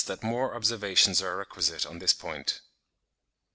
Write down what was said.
81) that more observations are requisite on this point.